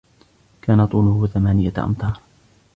كان طوله ثمانية أمتار.